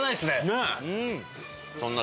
ねっ！